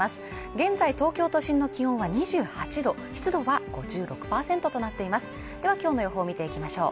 現在東京都心の気温は２８度湿度は５６％となっていますでは今日の予報を見ていきましょう